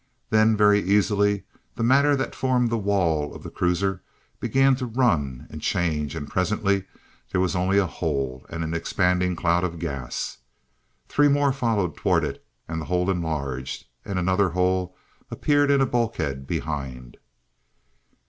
Then very easily, the matter that formed the wall of the cruiser began to run and change, and presently there was only a hole, and an expanding cloud of gas. Three more flowed toward it and the hole enlarged, and another hole appeared in a bulkhead behind.